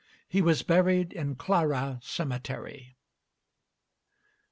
He was buried in Clara cemetery.